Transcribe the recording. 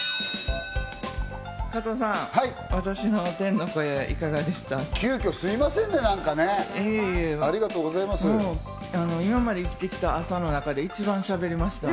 加藤さん、私の天の声、いかがでした？